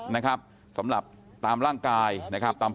พี่สาวอายุ๗ขวบก็ดูแลน้องดีเหลือเกิน